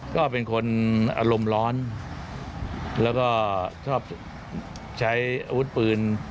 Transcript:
ก็เป็นคนอารมณ์ร้อนแล้วก็ชอบใช้อาวุธปืน